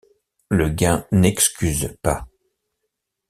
Le gain n’excuse pas.